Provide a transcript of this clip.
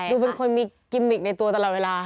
ดูเป็นคนมีกิมมิกในตัวตลอดเวลา